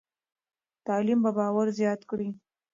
تعلیم به باور زیات کړي.